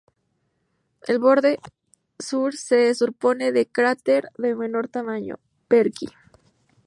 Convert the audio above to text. El borde sur se superpone al cráter de menor tamaño Perkin.